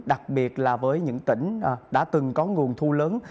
đặc biệt là với những tỉnh đã từng có nguồn thuốc